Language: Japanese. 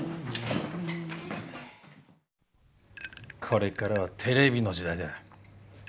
これからはテレビの時代だ。